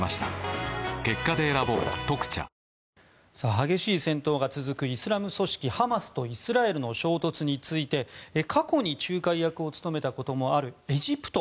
激しい戦闘が続くイスラム組織ハマスとイスラエルの衝突について過去に仲介役を務めたこともあるエジプト。